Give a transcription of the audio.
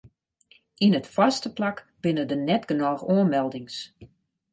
Yn it foarste plak binne der net genôch oanmeldings.